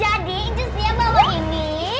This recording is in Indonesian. jadi just dia bawa ini